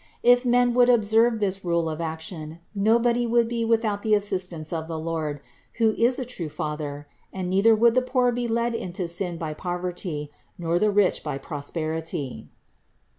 If men would observe this rule of action nobody would be with 362 CITY OF GOD out the assistance of the Lord, who is a true Father, and neither would the poor be led into sin by poverty, nor the rich by prosperity.